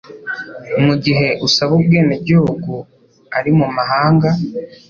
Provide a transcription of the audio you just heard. Mu gihe usaba ubwenegihugu ari mu mahanga